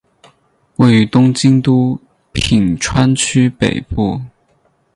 位于东京都品川区北部。